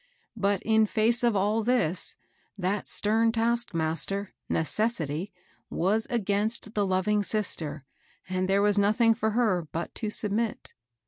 But in face of all this, that stem taskmaster, necessity j was against the loving sister, and there was nothing for her but to sub mit.